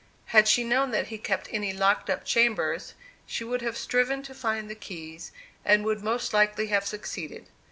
Had she known that he kept any locked up chambers, she would have striven to find the keys, and would most likely have succeeded.